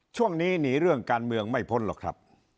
ช่วงนี้หนีเรื่องการเมืองไม่พ้นหรอกครับ